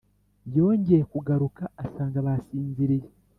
Yongeye kugaruka asanga basinziriye